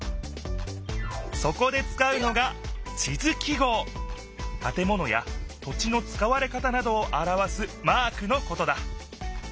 そこでつかうのがたてものや土地のつかわれ方などをあらわすマークのことだ